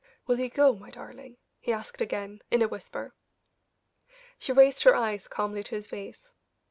"Will you go, my darling?" he asked again, in a whisper. She raised her eyes calmly to his face.